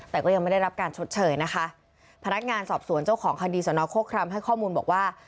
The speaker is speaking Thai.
แต่ก็ยังไม่ได้รับการชดเชยนะคะพนักงานสอบสวนเจ้าของคดีสนโครครมให้ข้อมูลบอกว่า